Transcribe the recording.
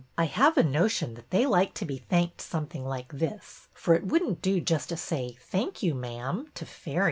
I have a notion that they like to be thanked something like this — for it would n't do just to say ' Thank you, ma'am,' to fairies."